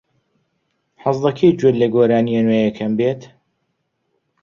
حەز دەکەیت گوێت لە گۆرانییە نوێیەکەم بێت؟